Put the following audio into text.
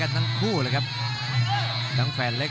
และอัพพิวัตรสอสมนึก